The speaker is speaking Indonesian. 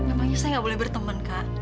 emangnya saya nggak boleh berteman kak